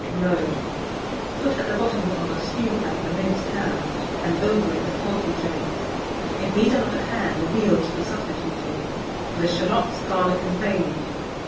Mode. Put at the bottom of a stewpan the minced ham, and over it the poultry trimmings (if these are not at hand, veal should be substituted), with the shalots, garlic, and bay leaf.